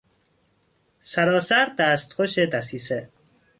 سراسر دستخوش دسیسه